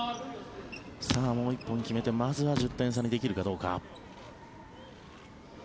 もう１本決めてまずは１０点差にできるかどうか。